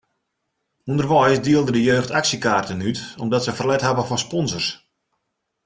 Underweis dielde de jeugd aksjekaarten út omdat se ferlet hawwe fan sponsors.